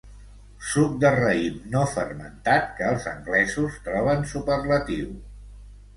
Suc de raïm no fermentat que els anglesos troben superlatiu.